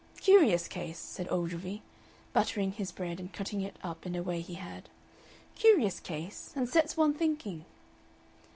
"Curious case," said Ogilvy, buttering his bread and cutting it up in a way he had. "Curious case and sets one thinking."